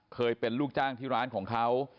เคยเป็นลูกจ้างที่ร้านของเขา